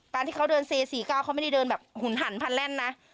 ตอนที่เค้าเดินเซปสี่ก้าวเค้าไม่ได้เดินแบบหุ่นหันพันแร่นนะ